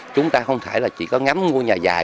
chúng ta không thể là chỉ có ngắm ngôi nhà dài